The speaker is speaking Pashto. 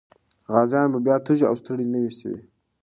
غازيان به بیا تږي او ستړي نه وي سوي.